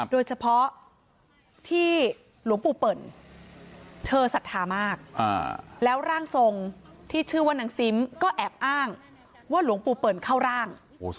โดยเฉพาะที่หลวงปู่เปิ่นเธอศรัทธามากแล้วร่างทรงที่ชื่อว่านางซิมก็แอบอ้างว่าหลวงปู่เปิ่นเข้าร่าง